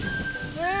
うん。